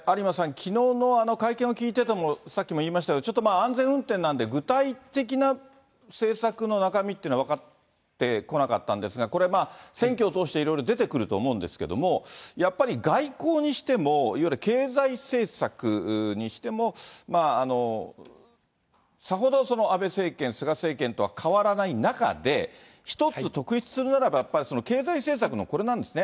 きのうの会見を聞いてても、さっきも言いましたが、ちょっと安全運転なんで、具体的な政策の中身っていうのは分かってこなかったんですが、これ、選挙を通していろいろ出てくると思うんですけれども、やっぱり外交にしても、いわゆる経済政策にしても、さほど安倍政権、菅政権とは変わらない中で、一つ、特筆するならば、やっぱり経済政策のこれなんですね。